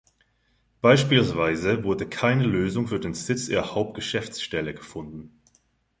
Beispielweise wurde keine Lösung für den Sitz ihrer Hauptgeschäftsstelle gefunden.